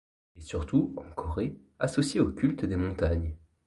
Il est surtout, en Corée, associé au culte des montagnes.